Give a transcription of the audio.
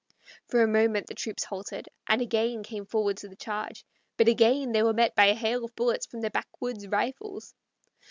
For a moment the troops halted, and again came forward to the charge; but again they were met by a hail of bullets from the backwoods rifles.